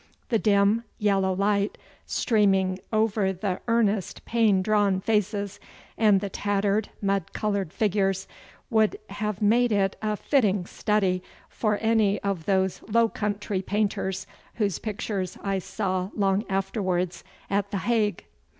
The dim, yellow light streaming over the earnest pain drawn faces, and the tattered mud coloured figures, would have made it a fitting study for any of those Low Country painters whose pictures I saw long afterwards at The Hague.